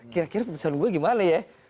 kira kira putusan gue gimana ya